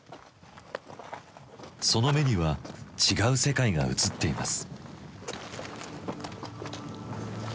その目には違う世界が映っています。